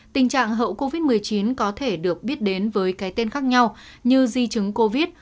tình trạng hậu covid một mươi chín có thể được biết đến với cái tên khác nhau như di chứng covid